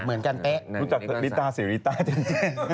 รู้จักับลิต้าสิริต้าเหมือนกัน